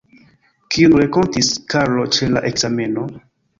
Kiun renkontis Karlo ĉe la ekzameno?